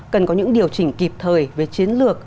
cần có những điều chỉnh kịp thời về chiến lược